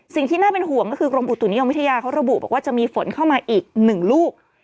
สิ่งที่น่าเป็นห่วงก็คือกรมอุตุนิยมวิทยาเขาระบุบอกว่าจะมีฝนเข้ามาอีกหนึ่งลูก